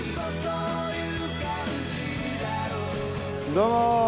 どうも！